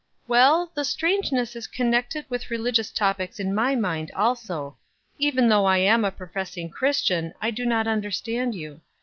"Well, the strangeness is connected with religious topics in my mind also; even though I am a professing Christian I do not understand you.